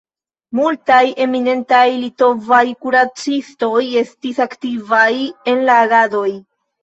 Multaj eminentaj litovaj kuracistoj estis aktivaj en la agadoj.